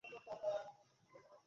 আমার বুক একটু ধড়ফড় করছে।